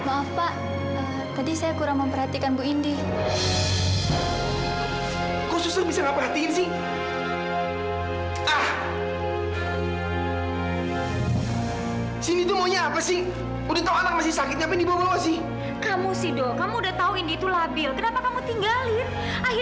apakah ketidakbersamaan kita akan membuat kita seperti ini